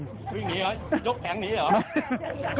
หนีออกเหรอยกแข็งหนีออกเหรอ